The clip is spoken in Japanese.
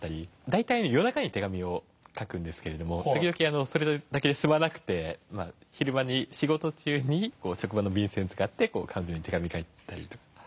大体夜中に手紙を書くんですけれども時々それだけで済まなくて昼間に仕事中に職場の便箋使って彼女に手紙を書いてたりとか。